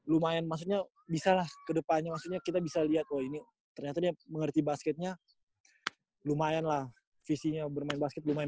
lumayan maksudnya bisa lah kedepannya maksudnya kita bisa lihat oh ini ternyata dia mengerti basketnya lumayan lah visinya bermain basket lumayan